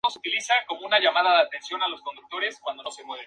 Homer, desesperado, le pide ayuda a Lisa para arreglar su matrimonio.